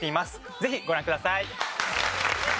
ぜひご覧ください。